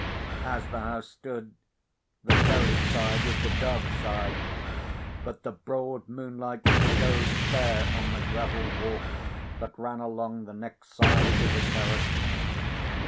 As the house stood, the terrace side was the dark side; but the broad moonlight showed fair on the gravel walk that ran along the next side to the terrace.